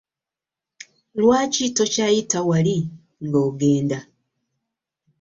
Lwaki tokyayita wali nga ogenda?